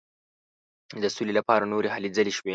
د سولي لپاره نورې هلې ځلې شوې.